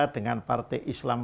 dengan partai islam